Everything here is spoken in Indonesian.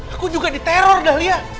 aku juga diteror dahlia